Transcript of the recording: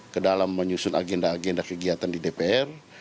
ke dalam menyusun agenda agenda kegiatan di dpr